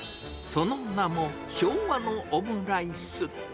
その名も、昭和のオムライス。